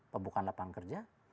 pembukaan lapangan kerja